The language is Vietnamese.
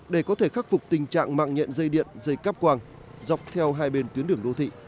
để có thể khắc phục tình trạng mạng nhện dây điện dây cáp quang dọc theo hai bên tuyến đường đô thị